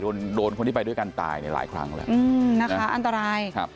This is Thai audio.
โดนโดนคนที่ไปด้วยกันตายในหลายครั้งแล้วอืมนะคะอันตรายครับ